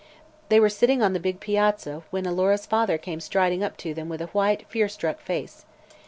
They were sitting on the big piazza when Alora's father came striding up to them with a white, fear struck face.